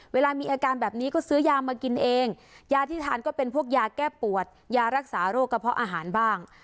เวลามีอาการแบบนี้ก็ซื้อยามากินเองยาที่ทานก็เป็นพวกยาแก้ปวดยารักษาโรคกระเพาะอาหารบ้าง